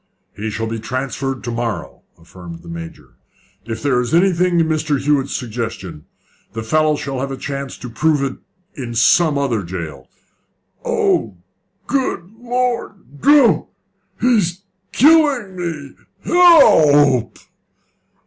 "He shall be transferred to morrow," affirmed the Major. "If there is anything in Mr. Hewett's suggestion, the fellow shall have a chance to prove it in some other jail. Oh, good Lord! Don't! He's killing me! Help p!"